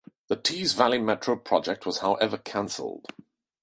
The Tees Valley Metro project was however cancelled.